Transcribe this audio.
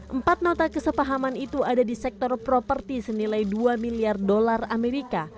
empat nota kesepahaman itu ada di sektor properti senilai dua miliar dolar amerika